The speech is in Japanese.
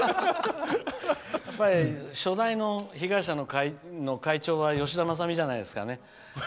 初代の被害者の会の会長は吉田政美じゃないですかね。